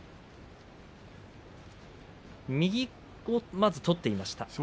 右をまず取っていました。